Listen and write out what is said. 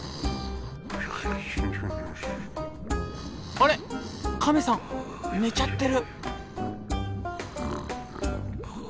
あれ亀さん寝ちゃってる。